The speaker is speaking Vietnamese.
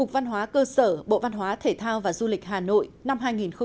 bởi bộ văn hóa thể thao và du lịch hà nội năm hai nghìn một mươi tám